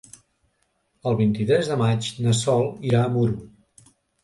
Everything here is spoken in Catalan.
El vint-i-tres de maig na Sol irà a Muro.